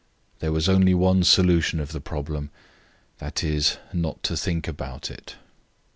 There was only one solution of the problem i.e., not to think about it.